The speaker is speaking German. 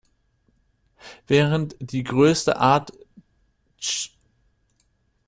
Während die größte Art "Ch.